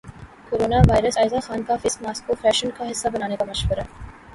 corona virus Ayeza Khan کا face mask کو fashion کا حصہ بنانے کا مشورہ